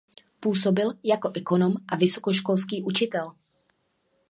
Působil jako ekonom a vysokoškolský učitel.